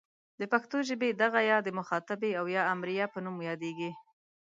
د پښتو ژبې دغه ئ د مخاطبې او یا امریه په نوم یادیږي.